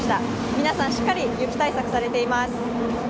皆さん、しっかり雪対策されています。